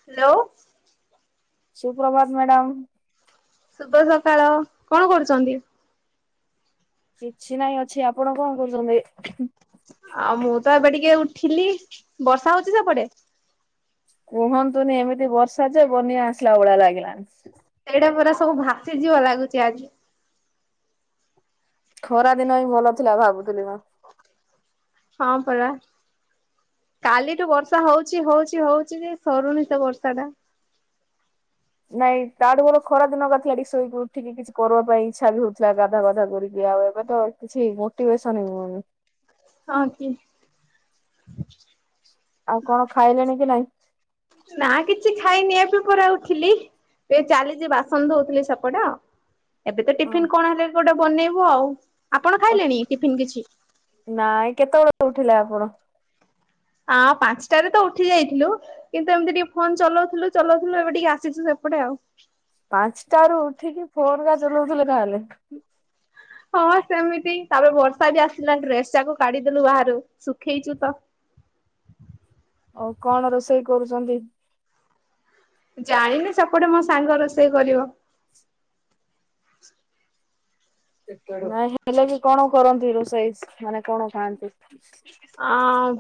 Hello. ସୁପ୍ରଭାତ madam. ଶୁଭ ସକାଳ, କଣ କରୁଛନ୍ତି? କିଛି ନାଇଁ ଅଛି ଆପଣ କଣ କରୁଛନ୍ତି? ଆଉ ମୁଁ ତ ଏବେ ଟିକେ ଉଠିଲି ବର୍ଷା ହଉଛି ସେପଟେ? କୁହନ୍ତୁନି ଏମିତି ବର୍ଷା ଯେ ବନ୍ୟା ଆସିଲା ଭଳିଆ ଲାଗିଲାଣି। ଏଇଟା ପରା ସବୁ ଭାସିଯିବ ଲାଗୁଛି ଆଜି। ଖରା ଦିନ ହିଁ ଭଲ ଥିଲା ଭାବୁଥିଲି ମୁଁ। ହଁ ପରା। କାଲିଠୁ ବର୍ଷା ହଉଛି ହଉଛି ହଉଛି ଯେ ସରୁନି ସେ ବର୍ଷାଟା। ନାଇଁ ତାଠୁ ବରଂ ଖରା ଦିନ କାଠି ଆଠି ଶୋଇକି ଉଠିକି କିଛି କରୁଆ ପାଇଁ ଇଚ୍ଛା ବି ହଉଥିଲା ଗାଧା ଗାଧା କରି ଇଏ ଆଉ ଏବେ ତ କିଛି ମୋଟିଭେସନ ହେଉନି। ହଁ ଚି ଆଉ କଣ ଖାଇଲେଣି କି ନାଇଁ? ନା କିଛି ଖାଇନି ଏବେ ପରା ଉଠିଲି। ଏ ଚାଲିଛି ବାସନ ଧୋଉଥିଲି ସେପଟ ଏବେ ତ ଟିଫିନ୍ କଣ ହେଲେ ଗୋଟେ ବନେଇବୁ ଆଉ ଆପଣ ଖାଇଲେଣି ଟିଫିନ୍ କିଛି? ନାଇଁ କେତେବେଳେ ଉଠିଲେ ଆପଣ? ଆଁ ପାଞ୍ଚଟାରେ ତ ଉଠି ଯାଇଥିଲୁ। କିନ୍ତୁ ଏମିତି ଟିକେ ଫୋନ ଚଲଉଥିଲୁ ଚଲଉଥିଲୁ ଏବେ ଟିକେ ଆସିଛୁ ସେପଟେ ଆଉ। ପାଞ୍ଚଟାରୁ ଉଠିକି ଫୋନ କାଇଁ ଚଲଉଥିଲୁ ତାହେଲେ? ହଁ ସେମିତି ତାପରେ ବର୍ଷା ବି ଆସିଲାଣି ଡ୍ରେସଟାକୁ କାଢିଦେଲୁ ବାହାରୁ ଶୁଖେଇଛୁ ତ ଆଉ କଣ ରୋଷେଇ କରୁଛନ୍ତି? ଜାଇନି ସେପଟେ ମୋ ସାଙ୍ଗ ରୋଷେଇ କରିବ। ନାଇ ହେଲେ କି କଣ କରନ୍ତି ରୋଷେଇ ମାନେ କଣ ଖାଆନ୍ତି? ଅଁଉ।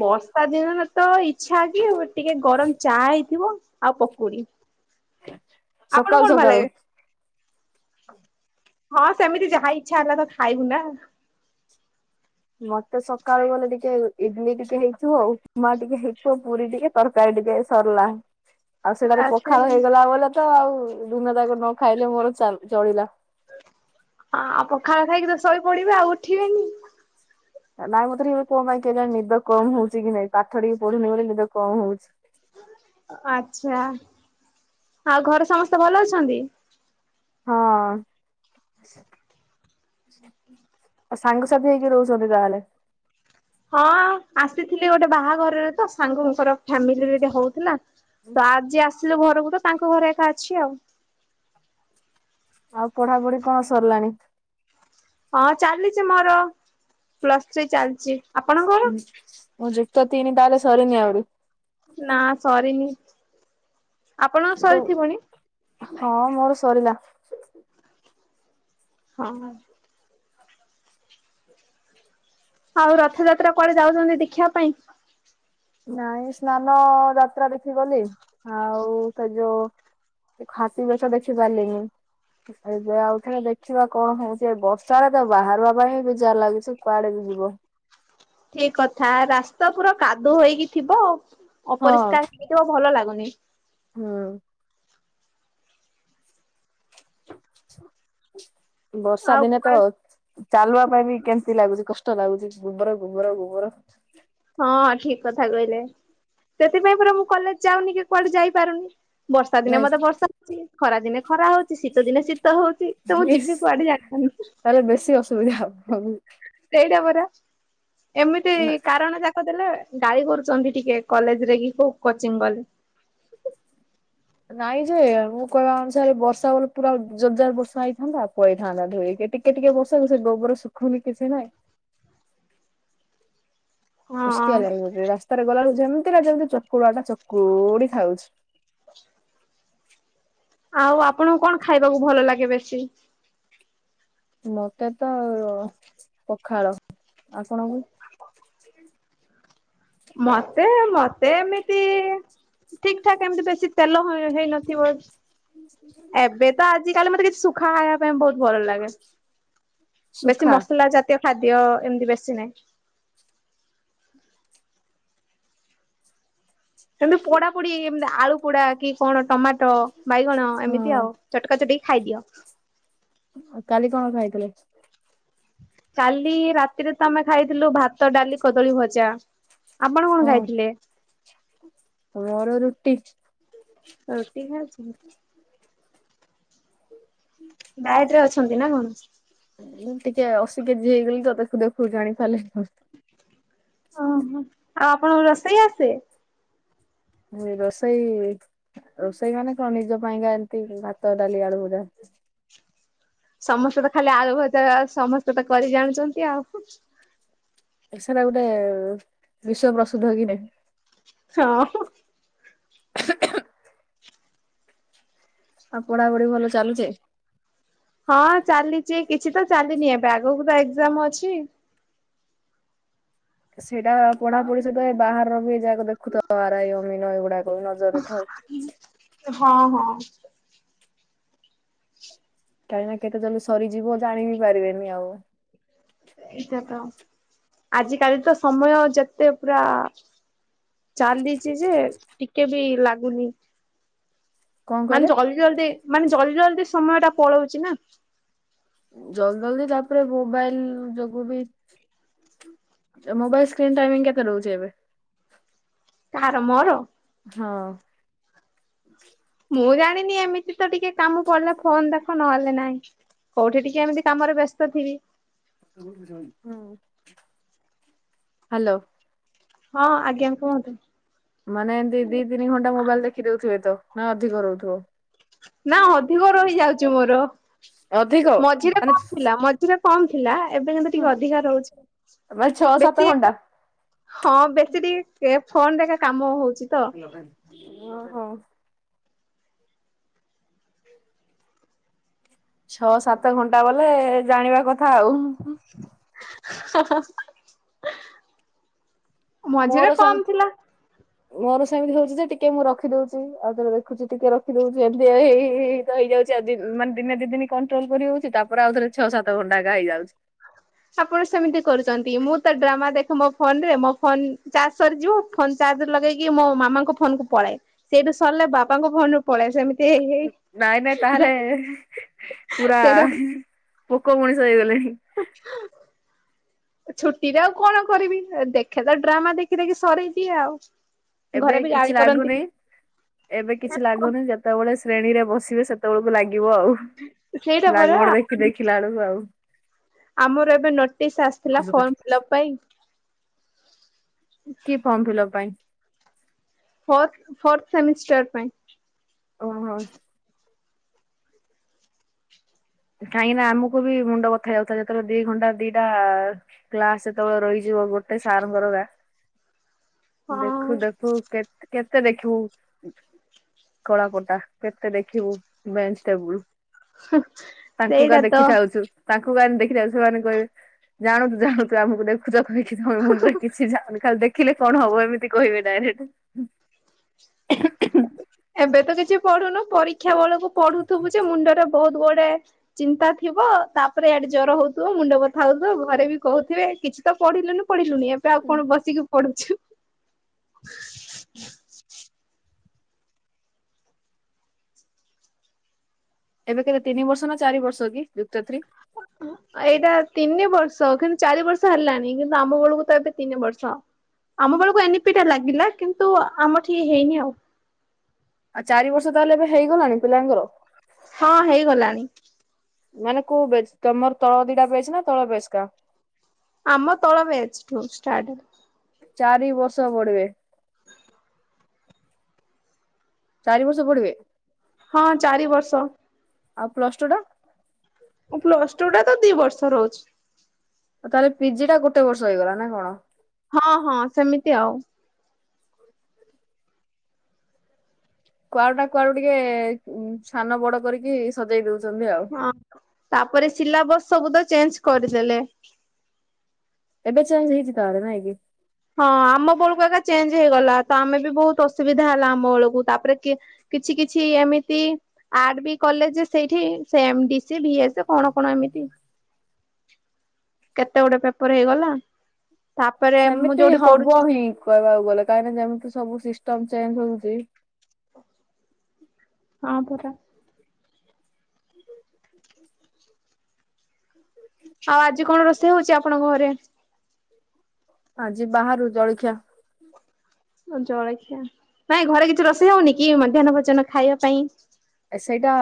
ବର୍ଷା ଦିନରେ ତ ଇଚ୍ଛା କି ଟିକେ ଗରମ ଚା ହେଇଥିବ। ଆଉ ପକୁଡି। ଆପଣ ସକାଳ କଣ ଭଲ ଲାଗେ? ସକାଳୁ। ହଁ ସେମିତି ଯାହା ଇଚ୍ଛା ହେଲା ତ ଖାଇବୁ ନା। ମତେ ସକାଳୁ ଗଲେ ଟିକେ ଇଡଲିି ଟିକେ ହେଇଥିବ ଉପମା ଟିକେ ହେଇଥିବ ପୁରୀ ଟିକେ ତରକାରୀ ଟିକେ ସରିଲା। ଆଉ ସେଲାରେ ଆଚ୍ଛା। ପଖାଳ ହେଇଗଲା ବୋଲେ ତ ଆଉ ଦିନ ଯାକ ନ ଖାଇଲେ ମୋର ଚା--ଚଳିଲା। ଆ ପଖାଳ ଖାଇକି ତ ଶୋଇ ପଡିବେ ଆଉ ଉଠିବେନି। ନାଇଁ ମୋତେ ଟିକେ କଣ ପାଇଁ କେଜାଣି ନିଦ କମ ହଉଛି କି ନାଇଁ ପାଠ ଟିକେ ପଢ଼ିଲି ବୋଲି ନିଦ କମ ହଉଛି। ଆଚ୍ଛା। ଆଉ ଘରେ ସମସ୍ତେ ଭଲ ଅଛନ୍ତି? ହଁ। ସାଙ୍ଗସାଥି ହେଇକି ରହୁଛନ୍ତି ତାହେଲେ? ହଁ ଆସିଥିଲି ଗୋଟେ ବାହାଘରରେ ତ ସାଙ୍ଗଙ୍କର ଫ୍ୟାମିଲିରେ ଏଟି ହଉଥିଲା। ତ ଆଜି ଆସିଲୁ ଘରକୁ ତ ତାଙ୍କ ଘରେ ଏକା ଅଛି ଆଉ। ଆଉ ପଢାପଢି କଣ ସରିଲାଣି? ହଁ ଚାଲିଛି ମୋର, ପ୍ଲସ୍ ଥ୍ରୀ ଚାଲିଛି। ଆପଣଙ୍କର? ଯୁକ୍ତ ତିନି ତାହେଲେ ସରିନି ଆହୁରି? ନା ସରିନି। ଆପଣଙ୍କର କୋଉ ସରିଥିବଣି? ହଁ ମୋର ସରିଲା। ହଁ। ଆଉ ରଥଯାତ୍ରା କୁଆଡେ ଯାଉଛନ୍ତି ଦେଖିବା ପାଇଁ? ନାଇଁ ସ୍ନାନ ଯାତ୍ରା ଦେଖି ଗଲି ଆଉ କ ଯୋ [unintelligible] ବେଶ ଦେଖି ପାରିଲିନି। ସେବେ ଆଉଥରେ ଦେଖିବା କଣ ହଉଛି ଏ ବର୍ଷାରେ ତ ବାହାରିବା ପାଇଁ ଏବେ ଯା ଲାଗୁଛି କୁଆଡେ ବି ଯିବ। ଠିକ କଥା ରାସ୍ତା ପୁରା କାଦୁଅ ହେଇକି, ହଁ ଅପରିଷ୍କାର ହେଇଥିବ ଭଲ ଲାଗୁନି। ହୁଁ। ବର୍ଷା ଆଉ ଦିନେ ତ କୁଆଡେ ଚାଲୁବା ପାଇଁ ବି କେମି ତି ଲାଗୁଛି କଷ୍ଟ ଲାଗୁଛି ଗୋବର ଗୋବର ଗୋବର। ହଁ ଠିକ କଥା କହିଲେ, ସେଥିପାଇଁ ପରା ମୁଁ କଲେଜ ଯାଉନି କି କୁଆଡେ ଯାଇପାରୁନି। ବର୍ଷା ଦିନେ ନାଇଁ ମତେ ବର୍ଷା ହଉଛି, ଖରା ଦିନେ ଖରା ହଉଛି, ଶୀତ ଦିନ ଶୀତ ତ ହଉଛି ତ ମୁଁ ଇସ୍ ଯିବି କୁଆଡେ ଜାଣିିପାରୁନି। ତାହେଲେ ବେଶୀ ଅସୁବିଧା ହବ ହଉ। ସେଇଟା ପରା ଏମିତି କାରଣ ଯାକ କଦେଲେ ଗାଳି କରୁଛନ୍ତି ଟିକେ କଲେଜରେ କି ହୋକ୍ କୋଚିଂ ଗଲେ। ନାଇଁ ଯେ ମୁଁ କହିବା ଅନୁସାରେ ବର୍ଷା ବଲେ ପୁରା ଜୋରଜାର ବର୍ଷା ହେଇଥାନ୍ତା ପଳେଇଥାନ୍ତା ଧୋଇ ହେଇକି ଟି କେ ଟିକେ ବର୍ଷାରେ ସେ ଗୋବର ଶୁଖୁନି କି କିଛି ନାଇଁ ହଁ ଉୁସ୍କିଆ ଲାଗିବ ଖାଲି ରାସ୍ତାରେ ଗଲା ବେଳୁ ଯେମିତି ନା ଯେମିତି ଚକୁଳାଟା ଚକୁଡି ଖାଉଛି। ଆଉ ଆପଣଙ୍କୁ କଣ ଖାଇବାକୁ ଭଲ ଲାଗେ ବେଶୀ? ମତେ ତ ପଖାଳ। ଆପଣ ଙ୍କୁ? ମତେ ମତେ ଏମିତି ଠିକ ଠାକ ଏମିତି ବେଶୀ ତେଲ ହେଇନଥିବ ଏବେ ତ ଆଜି କାଲି ମତେ କିଛି ସୁ ଖାଇବା ପାଇଁ ବହୁତ ଭଲ ଲାଗେ। ବେଶୀ ସୁଖା ମସଲା ଜା ଜାତୀୟ ଖାଦ୍ୟ ଏମିତି ବେଶୀ ନାହିଁ। ଏମିତି ପୋଡାପୋଡି ଏମତି ଆଳୁ ପୋଡା କି କଣ ଟମାଟ ବାଇଗଣ ଏମିତି ଆଉ। ହଁ ଚଟକା ଚଟିକି ଖାଇଦିଅ। କାଲି କଣ ଖାଇଥିଲ? କାଲି ରାତିରେ ତ ଆମେ ଖାଇଥିଲୁ ଭାତ, ଡାଲି, କଦଳୀ ଭଜା। ଆପଣ ହଁ କଣ ଖାଇଥିଲେ? ମୋର ରୁଟି। ରୁଟି ନା ଛେନା [inaudible] ଡାଏଟରେ ଅଛନ୍ତି ନା କଣ? ମୁଁ ଟିକେ ଅଶୀ କେଜି ହେଇଗଲି ତତେ ଦେଖୁ ଜାଣିପାରିଲିନି। ଓହୋ ଆଉ ଆପଣଙ୍କ ରୋଷେଇ ଆସେ? ରୋଷେଇ ରୋଷେଇମାନେ କଣ ନିଜ ପାଇଁକା ଏମତି ଭାତ ଡାଲି ଆଳୁ ଭଜା। ସମସ୍ତେ ତ ଖାଲି ଆଳୁ ଭଜା ସମସ୍ତେ ତ କରି ଜାଣୁଛନ୍ତି ଆଉ। ସେଟା ଗୋଟେ ବିଶ୍ୱ ପ୍ରସିଦ୍ଧ କି ନାହିଁ? ହଁ। ଆଉ ପଢାପଢି ଭଲ ଚାଲୁଛେ? ହଁ ଚାଲିଛି କିଛି ତ ଚାଲିନି ଏବେ ଆଗକୁ ତ ଏକ୍ଜାମ ଅଛି। ସେଇଟା ଆଉ ପଢାପଢି ସହିତ ଏ ବାହାରର ବି ଏ ଯାକ ଦେଖୁ ତ ଆରଇ ଅମିନ ଏଗୁଡାକ ନଜରରେ ଥାଉ। ହଁ ହଁ। କାହିଁକି ନା କେତେ ଜଲଦି ସରିଯିବ ଜାଣିବି ପାରିବେନି ଆଉ। ଏଇଟା ତ ଆଜିକାଲି ତ ସମୟ ଯେତେ ପୁରା ଚାଲିଛି ଯେ ଟିକେ ବି ଲାଗୁନି। କଣ ମାନେ କହିଲେ ଜଲଦି ଜଲଦି ମାନେ ଜଲଦି ଜଲଦି ସମୟ ଟା ପଳଉଛି ନା? ଜଲଦି ଜଲଦି ତାପରେ ମୋବାଇଲ ଯୋଗୁ ବି ମୋବାଇଲ ସ୍କ୍ରନ୍ ଟାଇମି କେତେ ରହୁଛି ଏବେ? କାହାର ମୋର? ହଁ। ମୁଁ ଜାଣିନି ଏମିତି ତ ଟିକେ କାମ ପଡିଲେ ଫୋନ ଦେଖ ନହେଲେ ନହିଁ। କୋଉଠି ଟିକେ ଏମିତି କାମରେ ବ୍ୟସ୍ତ ଥିବି। [inaudible] ହ୍ୟାଲୋ। ହଁ ଆଜ୍ଞା କୁହନ୍ତୁ। ମାନେ ଏମିତି ଦି ତିନି ଘଣ୍ଟା ମୋବାଇଲ ଦେଖି ଦଉଥିବେ ତ ନା ଅଧିକ ରହୁଥିବ? ନା ଅଧିକ ରହିଯାଉଛି ମୋର ଅଧିକ ମଝିରେ ମାନେ କଣ ଥିଲା? ମଝିରେ କମ୍ ଥିଲା ଏବେ କିନ୍ତୁ ଟିକେ ଅଧିକା ରହୁଛି। ମାନେ ଛଅ ସାତ ବେଶୀ ଘଣ୍ଟା। ହଁ ବେଶୀ ଟିକେ ଫୋନରେ ଏକା କାମ ହଉଛି ତ? [unintelligible] ଛଅ ସାତ ଘଣ୍ଟା ବଲେ ଜାଣିବା କଥା ଆଉ। [unintelligible] ମଝିରେ ମୋର ସେମ୍ କମ ଥିଲା ମୋର ସେମିତି ହଉଛି ଯେ ଟିକେ ମୁଁ ରଖିଦଉଛି ଆଉଥର ଦେଖୁଛି ଟିକେ ରଖି ଦଉଛି ଏମିତି ଏଇ ହେଇଯାଉଛିଉାନେ ଦିନ ଦି ଦିନ କଣ୍ଟ୍ରୋଲ କରି ହଉଛି ତାପରେ ଆଉ ଥରେ ଛଅ ସାତ ଘଣ୍ଟ ଏକା ହେଇଯାଉଛି। ଆପଣ ସେମିତି କରୁଛନ୍ତି ମୁଁ ତ ଡ୍ରାମା ଦେଖ ମୋ ଫୋନରେ ମୋ ଫୋନ ଚାର୍ଜ ସରିଯିବ। ଫୋନ ଚାର୍ଜ ଲଗେଇକି ମୋ ମାମାଙ୍କ ଫୋନକୁ ପଳାଏ ସେଇଠୁ ସରିଲେ ବାପାଙ୍କ ଫୋନରୁୁ ପାଲାଏ ସେମି ନାଇଁ ନାଇଁ ତାହଲେ ହିଁ ହିଁ ପୁରା ସେଇଟା ହିଁ ହିଁ ପୋକ ମଣିଷ ହେଇଗଲେଣି। [inaudible] ଛୁଟିରେ ଆଉ କଣ କରିବି ଦେଖେ ତ ଡ୍ରାମା ଦେଖି ଦେଖି ସରେଇଦିଏ ଆଉ। ଏବେ ଘରେ ବି କିଛି ଗାଳି କରନ୍ତି ଲାଗୁନାହିଁ ଏବେ କିଛି ଲାଗୁନି ଯ ଯେତବେଳେ ଶ୍ରେଣୀରେ ବସିବେ ସେତେବେଳକୁ ଲାଗିବ ଆଉ ସେଇଟା ବ୍ଲାକ୍ ପରା ବୋର୍ଡ ଦେଖି ଦେଖିଲା ବେଳକୁ ଆଉ। ଆମର ଏବେ ନୋଟିସ୍ ଆସ୍‌ଥିଲା ଫର୍ମ ଫିଲପ୍‌ ପାଇଁ। କି ଫର୍ମ ଫିଲପ୍ ପାଇଁ? ଫୋର୍ଥ ଫୋର୍ଥ ସେମିଷ୍ଟର ପାଇଁ। ଓହ। କାହିଁକିନା ଆମକୁ ବି ମୁଣ୍ଡ ବଥା ହେଇଯାଉଥିଲା ଯେତେବେଳେ ଦି ଘଣ୍ଟା ଦିଟା ଆ କ୍ଲାସ ଯେତବେଳେ ରହିଯିବ ଗୋଟେ ସାରେଙ୍କର [unintelligible] ଦେଖୁ ହଁ ଦେଖୁ କେ କେତେ ଦେଖିବୁ କଳା ପଟା କେତେ ଦେଖିବୁ ବେଞ୍ଚ୍‌ ଟେବୁଲ୍‌। ହୁଁ। ତାଙ୍କୁ କା ଦେଖିଥାଉଛୁ ତାଙ୍କୁ କା ଦେଖିଥାଉଛୁ ସେମାନେ କହିବେ ଜାଣନ୍ତୁ ଜାଣନ୍ତୁ ଆମକୁ ଦେଖୁୁ [unintelligible] ମୁଣ୍ଡରେ କିଛି ଯାଉନି ଖାଲି ଦେଖିଲେ କଣ ହବ ଏମିତି କହିବେ ଡାଇରେକ୍ଟ। ଏବେ ତ କିଛି ପଢୁନୁ ପରୀକ୍ଷା ବେଳକୁ ପଢୁଥିବୁ ଯେ ମୁଣ୍ଡରେ ବହୁତ୍‌ ଗୋଡ଼େ ଚିନ୍ତା ଥିବ ତାପରେ ୟାଡେ ଜର ହଉଥିବ ମୁଣ୍ଡ ବଥା ହଉଥିବ ଘରେ ବି କହୁଥିବେ କିଛି ତ ପଢିଲୁନୁ ପଢିଲୁନି ଏବେ ଆଉ କଣ ବସିକି ପଢୁଛୁ। ଏବେ କେତେ ତିନି ବର୍ଷ ନା ଚାରି ବର୍ଷ କି ଯୁକ୍ତ ଥ୍ରୀ? [unintelligible] ଅ ଏଇଟା ତିନି ବର୍ଷ କିନ୍ତୁ ଚାରି ବର୍ଷ ହେଲାନି କିନ୍ତୁ ଆମ ବେଳକୁ ତ ଏବେ ତିନି ବର୍ଷ। ଆମ ବେଳକୁ ଏନ୍‌ ଇ ପି ଟା ଲାଗିଲା କିନ୍ତୁ ଆମ ଠି ହେଇନି ଆଉ। ଆ ଚାରି ବର୍ଷ ତାହେଲେ ଏବେ ହେଇଗଲାଣି ପିଲାଙ୍କର? ହଁ ହେଇଗଲାଣି। ମାନେ କୋଉ ବେଚ୍‌ ତମର ତଳ ଦିଟା ବେଚ୍‌ ନା ତଳ ବେଷ୍‌କା? ଆମ ତଳ ବେଚ୍‌ ଠୁ ଷ୍ଟାର୍ଟ ହେଲା। ଚାରି ବର୍ଷ ପଢିବେ। ଚାରି ବର୍ଷ ପଢ଼ିବେ? ହଁ ଚାରି ବର୍ଷ। ଆଉ ପ୍ଲସ ଟୁ ଟା? ପ୍ଲସ ଟୁ ଟା ତ ଦି ବର୍ଷ ର ରହୁଛି। ଆଉ ତାହେଲେ ପିଜି ଟା ଗୋଟେ ବର୍ଷ ହେଇଗଲା ନା କଣ? ହଁ ହଁ ସେମିତି ଆଉ। କୁଆଡୁ ନା କୁଆଡୁ ଟିକେ ସାନ ବଡ କରିକି ସଜେଇ ଦେଉଛନ୍ତି ଆଉ। ହଁ ତାପରେ ସିଲାବସ୍ ସବୁ ତ ଚେଞ୍ଜ୍‌ କରିଦେଲେ। ଏବେ ଚେଞ୍ଜ୍‌ ହେଇଛି ତାେହାଲେ ନାହିଁ କି? ହଁ ଆମ ବଳକୁ ଏକା ଚେଞ୍ଜ୍‌ ହେଇଗଲା ତ ଆମେ ବି ବହୁତ୍ ଅସୁବିଧା ହେଲା ଆମ ବେଳକୁ ତାପରେ କିଏ କିଛି କିଛି ଏମିତି ଆର୍ଟ ବି କଲେଜ୍‌ ସେଇଠି ସେମ୍ ଡିସି ଭିଏସ୍‌ଏ କଣ କଣ ଏମିତି। କେତେ ଗୁଡେ ପେପର ହେଇଗଲା ତାପରେ ମୁଁ ସେମିତି ଯୋଉଠି ହବ ପଢୁଛି ହିଁ କହିବାକୁ ଗଲେ କାହିଁକିନା ଯେମତି ସବୁ ସିଷ୍ଟମ ଚେଞ୍ଜ୍‌ ହଉଛି ହଁ ପରା। ବ ଆଉ ଆଜି କଣ ରୋଷେଇ ହଉଚି ଆପଣଙ୍କ ଘରେ? ଆଜି ବାହାରୁ ଜଳିଖିଆ - ଜଳଖିଆ ନାଇଁ ଘରେ କିଛି ରୋଷେଇ ହଉନି କି ମଧ୍ୟାହ୍ନ ଭୋଜନ ଖାଇବା ପାଇଁ? ଏ ସେଇଟା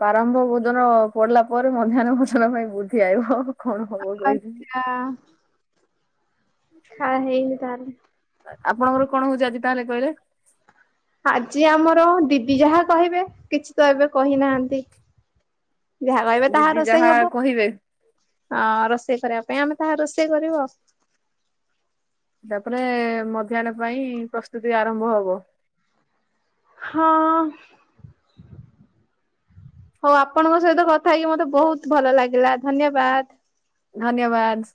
ପାରମ୍ଭ ଭୋଜନ ପଡିଲା ପରେ ମଧ୍ୟାହ୍ନ ଭୋଜନ ପାଇଁ ବୁଦ୍ଧି ଆଇବ ଅ ହଁ କଣ ହବ କଇବି ଆଁ ହେଇନି ତାହେଲେ ଆପଣଙ୍କର କଣ ହଉଚି ଆଜି ତାହେଲେ କହିଲେ? ଆଜି ଆମର ଦିଦି ଯାହା କହିବେ କିଛି ତ ଏବେ କହିନାହାନ୍ତି - ଯାହା କହିବେ ତାହା ଦିଦି ରୋଷେଇ ଯାହା ହବ କହିବେ ଅ ରୋଷେଇ କରିବା ପାଇଁ ଆମେ ତାହା ରୋଷେଇ କରିବୁ ଆଉ। ତାପରେ ମଧ୍ୟାହ୍ନ ପାଇଁ ପ୍ରସ୍ତୁତି ଆରମ୍ଭ ହବ - ହଁ ଅ ହଉ ଆପଣଙ୍କ ସହିତ କଥା ହେଇକି ମତେ ବହୁତ ଭଲ ଲାଗିଲା ଧନ୍ୟବାଦ- ଧନ୍ୟବାଦ